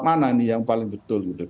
bagaimana ini yang paling betul